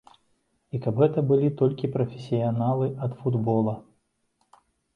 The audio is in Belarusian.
І каб гэта былі толькі прафесіяналы ад футбола.